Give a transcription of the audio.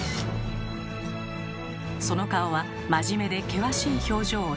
その顔は真面目で険しい表情をしています。